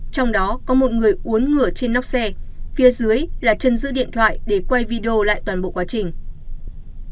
trong đó có một người uốn ngửa trên nóc xe phía dưới là chân giữ điện thoại để quay video lại toàn bộ quá trình